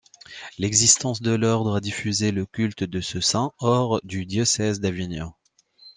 L'existence de l'ordre a diffusé le culte de ce saint hors du diocèse d'Avignon.